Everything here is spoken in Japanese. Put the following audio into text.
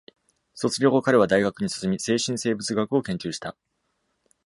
卒業後、彼は大学に進み、精神生物学を研究した。